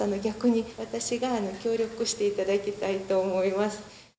逆に私が協力していただきたいと思います。